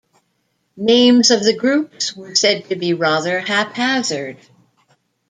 Names of the groups were said to be rather haphazard.